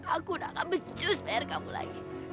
aku udah gak becus biar kamu lagi